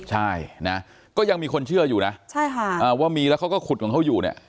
ใช่นะก็ยังมีคนเชื่ออยู่นะใช่ค่ะว่ามีแล้วเขาก็ขุดของเขาอยู่เนี่ย